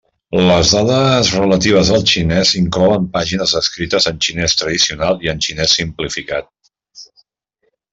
Les dades relatives al xinès inclouen pàgines escrites en xinès tradicional i en xinès simplificat.